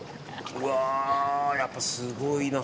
やっぱ、すごいな。